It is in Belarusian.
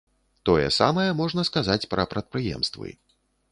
Тое самае можна сказаць пра прадпрыемствы.